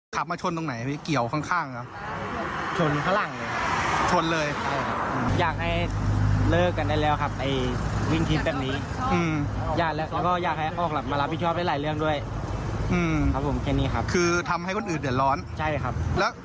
ขับมาชนตรงไหนเกี่ยวข้างครับ